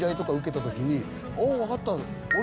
「おう分かった」